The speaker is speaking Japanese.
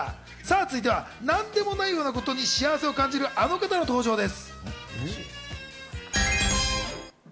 続いては何でもないようなことに幸せを感じる、あの方の登場です。